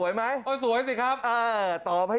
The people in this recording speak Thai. ฉันสวยกว่าแม่ปุ้ย